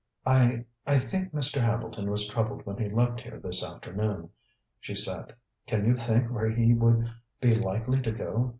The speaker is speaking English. "I I think Mr. Hambleton was troubled when he left here this afternoon," she said. "Can you think where he would be likely to go?